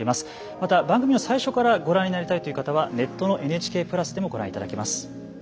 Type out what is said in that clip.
また番組の最初からご覧になりたいという方はネットの「ＮＨＫ＋」でもご覧いただけます。